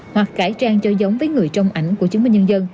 hoặc cải trang cho giống với người trong ảnh của chứng minh nhân dân